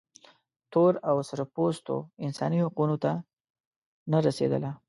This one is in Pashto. تور او سره پوستو انساني حقونو ته نه رسېدله.